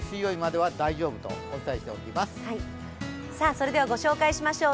それではご紹介しましょう。